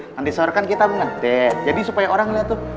nanti sore kan kita ngedet jadi supaya orang liat tuh